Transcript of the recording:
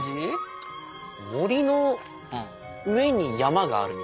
森の上に山がある。